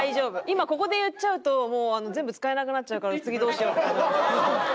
今ここで言っちゃうともう全部使えなくなっちゃうから次どうしよう？って。